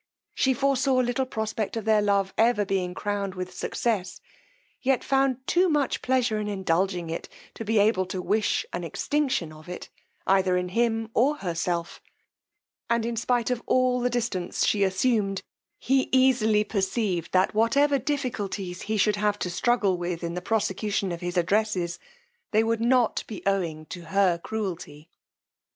She foresaw little prospect of their love ever being crown'd with success, yet found too much pleasure in indulging it to be able to wish an extinction of it, either in him or herself; and in spight of all the distance she assumed, he easily perceived that whatever difficulties he should have to struggle with in the prosecution of his addresses, they would not be owing to her cruelty.